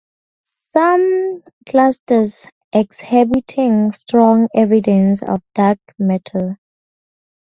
Some clusters exhibiting strong evidence of dark matter.